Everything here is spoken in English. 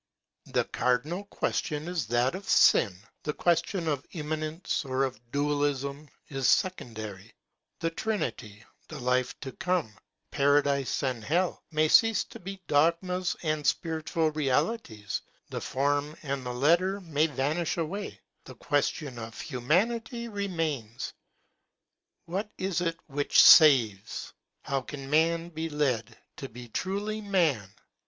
The cardinal question is that of sin. The question of immanence or of dualism is secondary. The Trinity, the life to come, paradise and hell, may cease to be dogmas and spiritual realities, the form and the letter may vanish away, —the question of humanity remains: What is it which saves? How can man be led to be truly man?